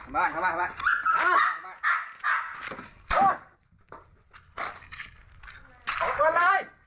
มา